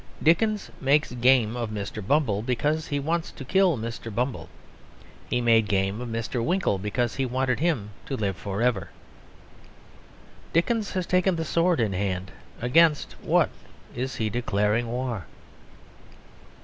Dickens makes game of Mr. Bumble because he wants to kill Mr. Bumble; he made game of Mr. Winkle because he wanted him to live for ever. Dickens has taken the sword in hand; against what is he declaring war?